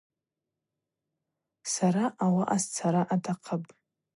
Сара ауаъа сцара атахъыпӏ.